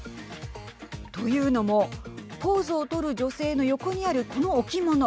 というのもポーズを取る女性の横にあるこの置物。